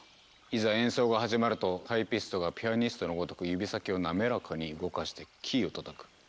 いざ演奏が始まるとタイピストがピアニストのごとく指先を滑らかに動かしてキーを叩く。